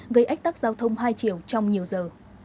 gây ách tắc giao thông hai chiều trong nhiều giờ